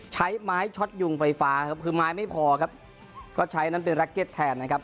ใช้ไม้ช็อตยุงไฟฟ้าครับคือไม้ไม่พอครับก็ใช้นั้นเป็นแล็กเก็ตแทนนะครับ